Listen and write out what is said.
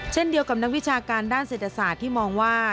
เช่นเดียวกับนักวิชาการด้านเศรษฐศาสตร์ที่มองว่า